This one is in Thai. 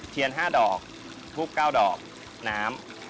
เทียน๕ดอกทูบ๙ดอกน้ำ